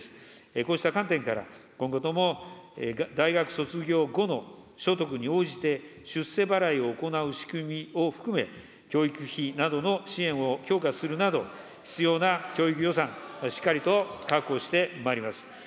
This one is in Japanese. こうした観点から、今後とも大学卒業後の所得に応じて、出世払いを行う仕組みを含め、教育費などの支援を強化するなど、必要な教育予算、しっかりと確保してまいります。